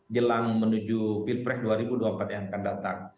jelang menuju pilpres dua ribu dua puluh empat yang akan datang